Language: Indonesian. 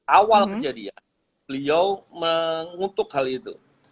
awal kejadian beliau mengutuk hal itu